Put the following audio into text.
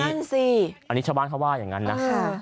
นั่นสิอันนี้ชาวบ้านเขาว่าอย่างนั้นนะ